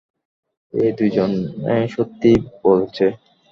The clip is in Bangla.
এই দুইজনে সত্যি বলছে।